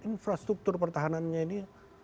infrastruktur pertahanannya ini